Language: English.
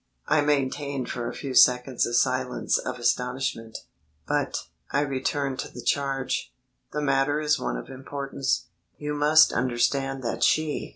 I maintained for a few seconds a silence of astonishment. "But," I returned to the charge, "the matter is one of importance. You must understand that she...."